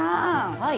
はい。